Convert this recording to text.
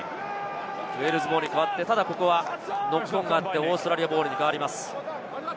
ウェールズボールに変わって、ノックオンがあって、オーストラリアボールに変わります。